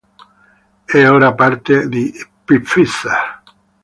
È ora parte di Pfizer.